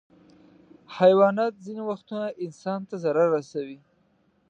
حیوانات ځینې وختونه انسان ته ضرر رسوي.